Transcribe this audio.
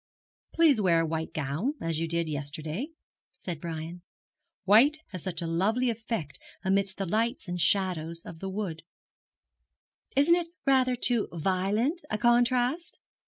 'Please wear a white gown, as you did yesterday,' said Brian. 'White has such a lovely effect amidst the lights and shadows of a wood.' 'Isn't it rather too violent a contrast?'